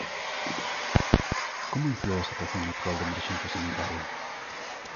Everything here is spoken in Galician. Como inflúe a situación actual de emerxencia sanitaria?